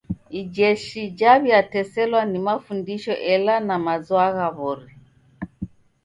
Ijeshi jaw'iateselwa na mafundisho ela na mazwagha w'ori.